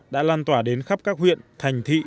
đã lan tỏa đến khắp các huyện thành thị